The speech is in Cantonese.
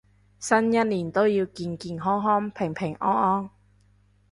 新一年都要健健康康平平安安